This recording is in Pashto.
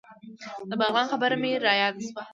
د بغلاني خبره مې رایاده شوه.